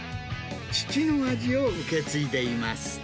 父の味を受け継いでいます。